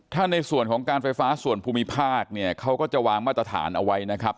ถ้าในส่วนของการไฟฟ้าส่วนภูมิภาคเนี่ยเขาก็จะวางมาตรฐานเอาไว้นะครับ